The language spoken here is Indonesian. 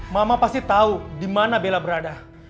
mama pasti tau dimana bella berada